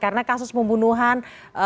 karena kasus pembunuhan